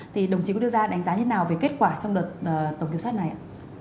thì đồng chí có đưa ra đánh giá như thế nào về kết quả trong đợt tổng kiểm soát này ạ